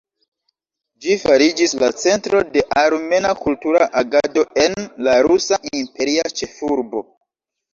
Ĝi fariĝis la centro de armena kultura agado en la rusa imperia ĉefurbo.